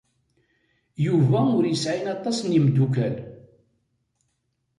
Yuba ur yesɛi aṭas n yimeddukal.